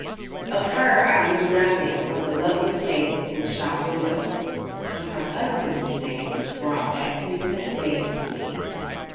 Of her I knew nothing but the lovely face in the shop windows. But her husband's name brought back distant days to me.